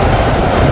itu udah gila